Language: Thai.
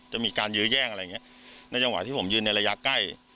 จะมีการยื้อแย่งอะไรอย่างเงี้ยในจังหวะที่ผมยืนในระยะใกล้